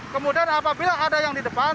kemudian apabila ada yang di depan